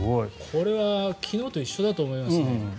これは昨日と一緒だと思いますね。